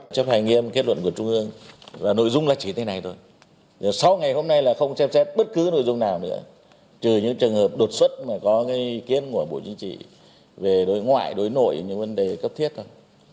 chấp hành nghiêm kết luận của trung ương và nội dung là chỉ thế này thôi sau ngày hôm nay là không xem xét bất cứ nội dung nào nữa trừ những trường hợp đột xuất mà có cái ý kiến của bộ chính trị về đối ngoại đối nội những vấn đề cấp thiết thôi